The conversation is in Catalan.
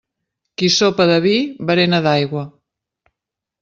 Qui sopa de vi berena d'aigua.